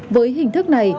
với hình thức này